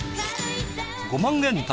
「５万円旅」